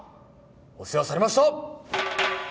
お世話されました！